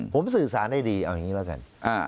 ผมสื่อสารได้ดีเอาอย่างนี้แล้วกัน